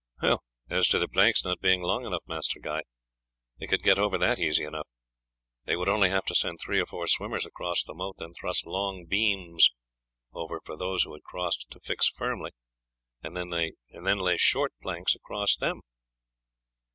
"As to the planks not being long enough, Master Guy, they could get over that easy enough. They would only have to send three or four swimmers across the moat, then thrust long beams over for those who had crossed to fix firmly, and then lay short planks across them."